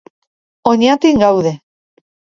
Oñatin gaude.